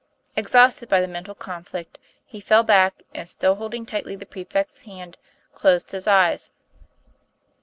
Ex hausted by the mental conflict, he fell back and, still holding tightly the prefect's hand, closed his eyes.